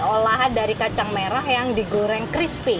olahan dari kacang merah yang digoreng crispy